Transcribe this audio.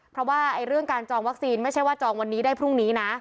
เพราะว่าเรื่องการจองวัคซีนไม่ใช่ว่าจองวันนี้ได้พรุ่งนี้นะ